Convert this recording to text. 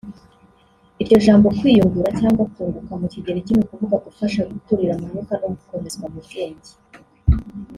Iryo jambo “kwiyungura” cyangwa “kunguka” mu kigereki ni ukuvuga gufasha gukurira mu Mwuka no gukomezwa mu bwenge